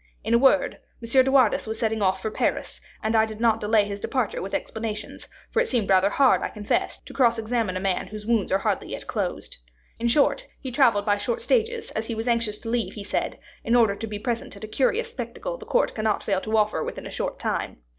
In a word, M. de Wardes was setting off for Paris, and I did not delay his departure with explanations; for it seemed rather hard, I confess, to cross examine a man whose wounds are hardly yet closed. In short, he travelled by short stages, as he was anxious to leave, he said, in order to be present at a curious spectacle the court cannot fail to offer within a short time.